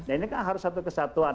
ini kan harus satu kesatuan